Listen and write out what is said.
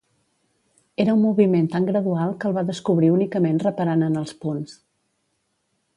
Era un moviment tan gradual que el va descobrir únicament reparant en els punts.